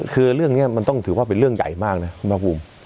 คือเรื่องนี้มันต้องถือว่าเป็นเรื่องใหญ่มากนะคุณภาคภูมิ